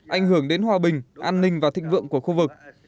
ảnh hưởng đến hòa bình an ninh và thịnh vượng của khu vực